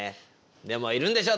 でもいるんでしょ